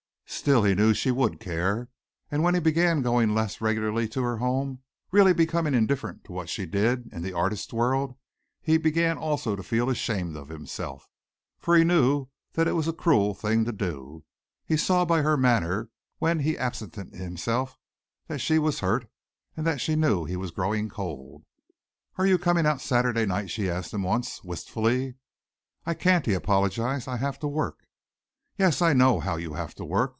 Still, he knew she would care, and when he began going less regularly to her home, really becoming indifferent to what she did in the artists' world, he began also to feel ashamed of himself, for he knew that it was a cruel thing to do. He saw by her manner when he absented himself that she was hurt and that she knew he was growing cold. "Are you coming out Sunday night?" she asked him once, wistfully. "I can't," he apologized; "I have to work." "Yes, I know how you have to work.